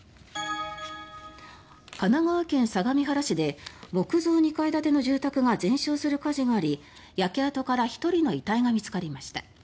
神奈川県相模原市で木造２階建ての住宅が全焼する火事があり焼け跡から１人の遺体が見つかりました。